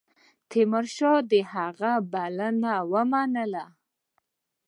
تیمورشاه د هغه بلنه ومنله.